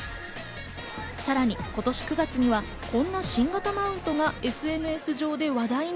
さらに今年９月にはこんな新型マウントがＳＮＳ上で話題に。